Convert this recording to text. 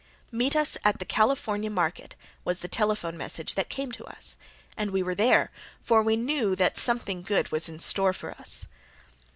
"Meet us at the California market," was the telephone message that came to us, and we were there, for we knew that something good was in store for us.